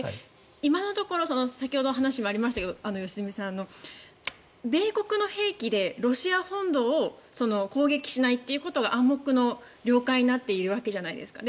今のところ、良純さんの先ほどの話にもありましたが米国の兵器でロシア本土を攻撃しないということが暗黙の了解になっているわけじゃないですか。